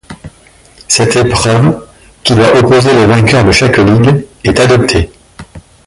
Cette épreuve, qui doit opposer les vainqueurs de chaque Ligue, est adoptée.